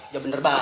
jawab bener baik